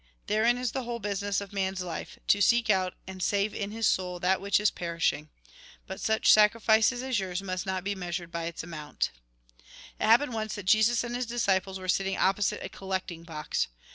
Therein is the whole business of man's life ; to seek out and save in his soul that which is perishing. But such sacrifice as yours must not be measured by its amount." It happened once that Jesus and his disciples were sitting opposite a collecting box.